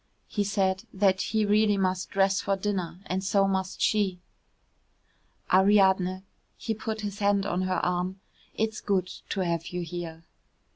He said he really must dress for dinner, and so must she. "Ariadne," he put his hand on her arm, "it's good to have you here."